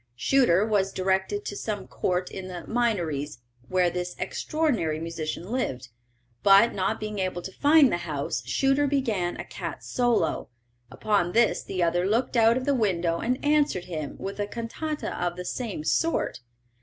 Shuter was directed to some court in the Minories, where this extraordinary musician lived; but, not being able to find the house, Shuter began a cat solo; upon this the other looked out of the window, and answered him with a cantata of the same sort.